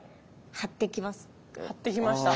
張ってきました。